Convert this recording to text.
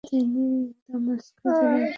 তিনি দামেস্কে গেলেন।